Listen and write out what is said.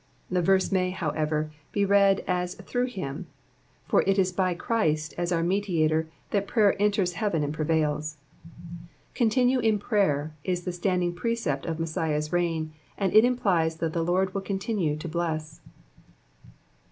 The verse may, however, be read as through him," for it is by Christ as our Mediator that prayer enters heaven and prevails. *' Continue in prayer" is the standing precept of Messiah's reign, and it im Elies that the Lord will continue to bless.